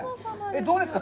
どうですか？